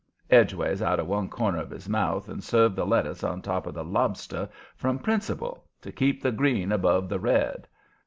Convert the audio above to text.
edge ways out of one corner of his mouth and served the lettuce on top of the lobster, from principle, to keep the green above the red.